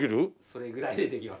それぐらいでできます。